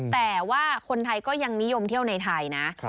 แต่ว่าคนไทยก็ยังนิยมเที่ยวในไทยนะ